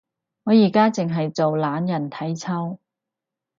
我而家淨係做懶人體操